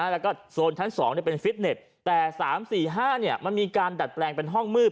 แล้วก็โซนชั้น๒เป็นฟิตเน็ตแต่๓๔๕มันมีการดัดแปลงเป็นห้องมืด